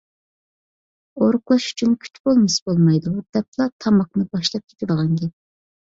ئورۇقلاش ئۈچۈن كۈچ بولمىسا بولمايدۇ، دەپلا تاماقنى باشلاپ كېتىدىغان گەپ.